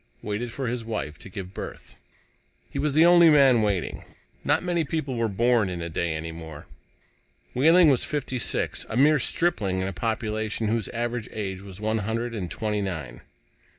waited for his wife to give birth. He was the only man waiting. Not many people were born a day any more. Wehling was fifty six, a mere stripling in a population whose average age was one hundred and twenty nine.